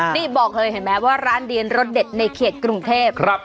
นี่บอกเลยเห็นไหมว่าร้านเดียนรสเด็ดในเขตกรุงเทพ